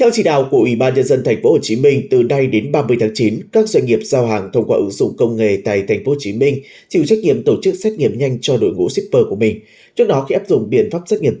các bạn hãy đăng ký kênh để ủng hộ kênh của chúng mình nhé